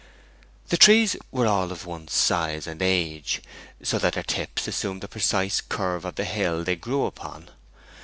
The trees were all of one size and age, so that their tips assumed the precise curve of the hill they grew upon.